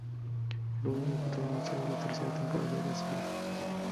Oro es el protagonista de la tercera temporada de la serie.